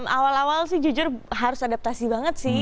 awal awal sih jujur harus adaptasi banget sih